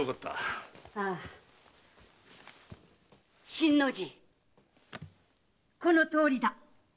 新の字このとおりだ。